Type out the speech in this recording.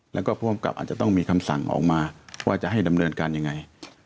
แล้วก็ผู้อำกับอาจจะต้องมีคำสั่งออกมาว่าจะให้ดำเนินการยังไง